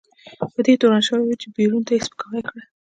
په دې تورن شوی و چې پېرون ته یې سپکاوی کړی.